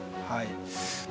はい。